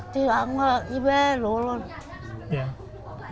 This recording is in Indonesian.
di rumah di rumah